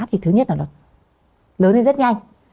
thì thứ nhất là nó lớn lên rất nhanh